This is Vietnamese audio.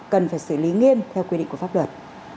cần phải xử lý nghiêm theo quy định của pháp luật